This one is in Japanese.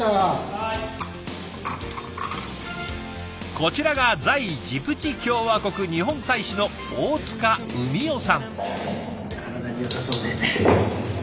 こちらが在ジブチ共和国日本大使の大塚海夫さん。